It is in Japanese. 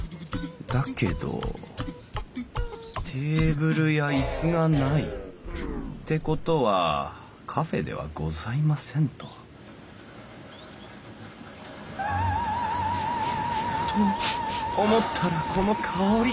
だけどテーブルや椅子がないて事はカフェではございませんとと思ったらこの香り！